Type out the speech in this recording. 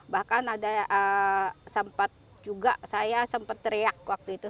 bahkan ada sempat juga saya sempat teriak waktu itu